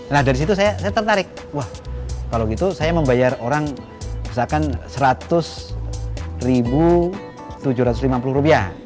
nah dari situ saya tertarik wah kalau gitu saya membayar orang misalkan rp seratus tujuh ratus lima puluh